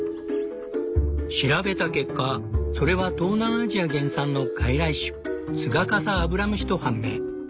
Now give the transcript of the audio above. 調べた結果それは東南アジア原産の外来種ツガカサアブラムシと判明。